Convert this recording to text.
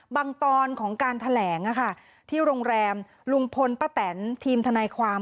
ตอนของการแถลงที่โรงแรมลุงพลป้าแตนทีมทนายความ